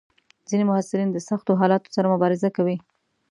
ځینې محصلین د سختو حالاتو سره مبارزه کوي.